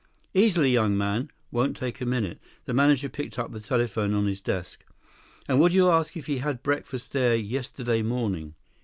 "Easily, young man. Won't take a minute." The manager picked up the telephone on his desk. "And would you ask if he had breakfast there yesterday morning?"